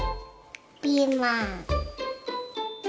ピーマン。